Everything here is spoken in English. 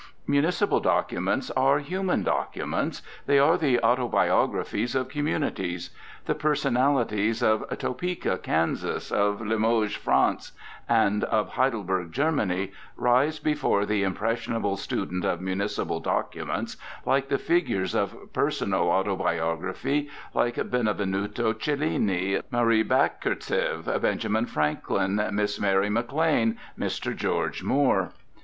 Municipal documents are human documents. They are the autobiographies of communities. The personalities of Topeka, Kansas, of Limoges, France, and of Heidelberg, Germany, rise before the impressionable student of municipal documents like the figures of personal autobiography, like Benvenuto Cellini, Marie Bashkirtsev, Benjamin Franklin, Miss Mary Maclane, Mr. George Moore.